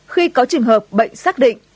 khi có trường hợp bệnh xác định